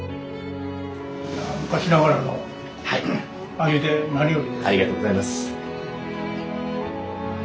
ありがとうございます。